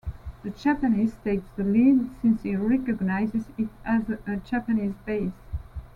The Japanese takes the lead, since he recognizes it as a Japanese base.